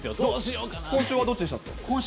今週はどっちにしたんですか。